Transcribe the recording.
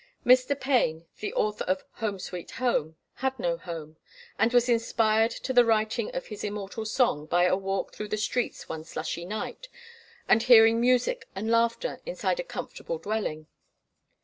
Mr. Payne, the author of "Home, Sweet Home," had no home, and was inspired to the writing of his immortal song by a walk through the streets one slushy night, and hearing music and laughter inside a comfortable dwelling.